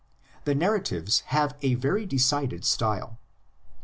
The narratives have a very decided style.